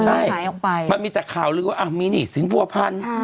ใช่ขายออกไปมันมีแต่ข่าวเรียกว่าอ่ะมีนี่สินผัวพันธ์ใช่